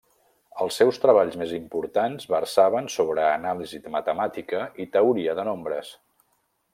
Els seus treballs més importants versaven sobre anàlisi matemàtica i teoria de nombres.